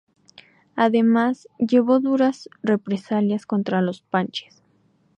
Además llevó duras represalias contra los Panches.